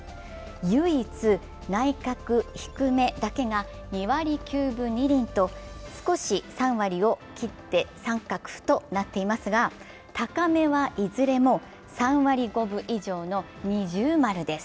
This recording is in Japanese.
唯一、内角・低めだけが２割９分２厘と少し３割を切って△となっていますが、高めはいずれも３割５分以上の◎です。